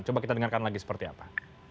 coba kita dengarkan lagi seperti apa